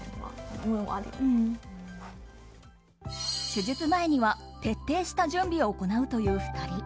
手術前には徹底した準備を行うという２人。